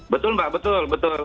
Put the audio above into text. betul mbak betul